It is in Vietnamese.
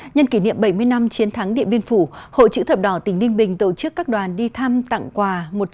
nhân kỷ niệm bảy mươi năm chiến thắng điện biên phủ hội chữ thập đỏ tỉnh ninh bình tổ chức các đoàn đi thăm tặng quà